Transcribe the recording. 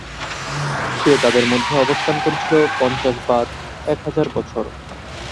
সে তাদের মধ্যে অবস্থান করেছিল পঞ্চাশ বাদ এক হাজার বছর।